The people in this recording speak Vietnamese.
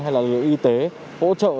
hay là y tế hỗ trợ